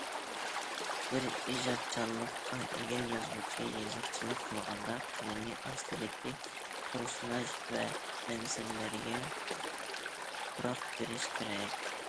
بىر ئىجادچانلىققا ئىگە يازغۇچى يېزىقچىلىق قىلغاندا، قەلىمى ئاستىدىكى پېرسوناژ ۋە مەنزىرىلەرگە پۇراق بېرىشى كېرەك.